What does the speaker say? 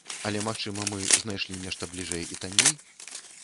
Але, магчыма, мы знайшлі нешта бліжэй і танней?